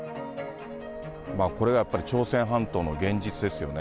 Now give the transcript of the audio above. これがやっぱり朝鮮半島の現実ですよね。